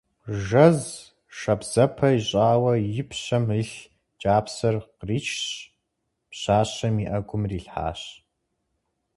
Жэз шабзэпэ ищӀауэ и пщэм илъ кӀапсэр къричщ, пщащэм и Ӏэгум ирилъхьащ.